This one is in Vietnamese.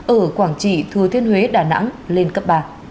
ở quảng trị thừa thiên huế đà nẵng lên cấp ba